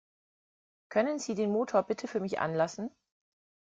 Können Sie den Motor bitte für mich anlassen?